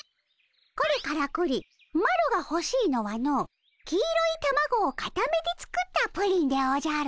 これからくりマロがほしいのはの黄色いたまごをかためて作ったプリンでおじゃる！